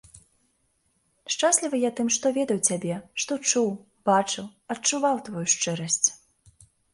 Шчаслівы я тым, што ведаў цябе, што чуў, бачыў, адчуваў тваю шчырасць.